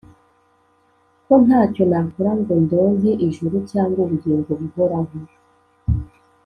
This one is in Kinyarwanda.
ko ntacyo nakora ngo ndonke ijuru cyangwa ubugingo buhoraho.